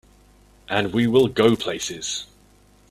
And will we go places!